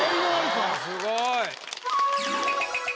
すごい。